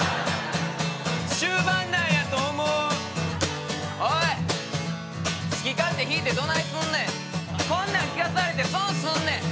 終盤なんやと思うおいっ好き勝手弾いてどないすんねんこんなん聞かされてどうすんねん？